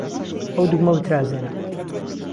ئهو دوگمه بترازێنه